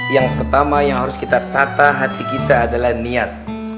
yang pertama yang harus kita tata hati kita adalah niat